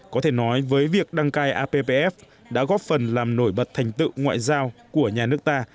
có thể nói với việc đăng cai appf đã góp phần làm nổi bật thành tựu ngoại giao của nhà nước ta